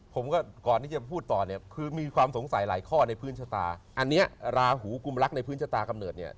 ผมก็ก่อนที่จะพูดต่อเนี่ยคือมีความสงสัยหลายข้อในพื้นชะตาอันเนี้ยราหูกุมรักในพื้นชะตากำเนิดเนี่ย